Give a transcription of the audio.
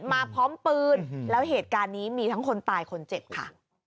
มาพร้อมปืนแล้วเหตุการณ์นี้มีทั้งคนตายคนเจ็บค่ะ